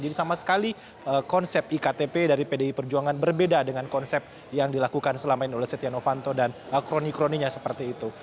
jadi sama sekali konsep iktp dari pdip perjuangan berbeda dengan konsep yang dilakukan selama ini oleh setia novanto dan kroni kroninya seperti itu